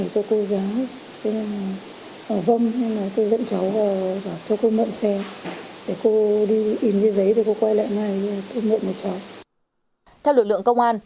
theo lực lượng công an